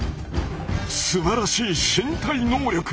すばらしい身体能力！